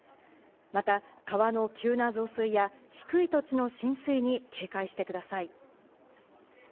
また川の急な増水や低い土地の浸水に警戒してください。